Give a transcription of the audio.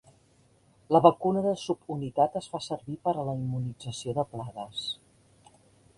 La vacuna de subunitat es fa servir per a la immunització de plagues.